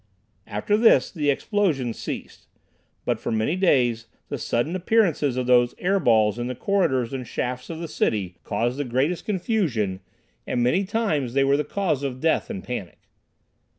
After this the explosions ceased. But for many days the sudden appearances of those "air balls" in the corridors and shafts of the city caused the greatest confusion, and many times they were the cause of death and panic.